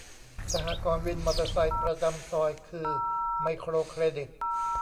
สหกรณ์วินมอเตอร์ไซค์ประจำซอย คือไมโครเครดิต